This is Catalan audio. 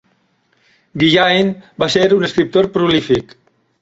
Guillain va ser un escriptor prolífic.